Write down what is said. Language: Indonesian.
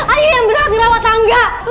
ayah yang berat rawat angga